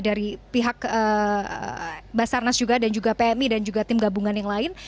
dari pihak basarnas juga dan juga pmi dan juga tim gabungan yang lain